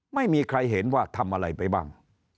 ไม่มีใครเห็นว่าทำอะไรไปบ้าง